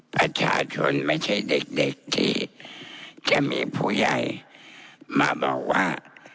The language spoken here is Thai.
ประชาชนไม่ใช่เด็กที่จะมีผู้ใหญ่มาบอกว่า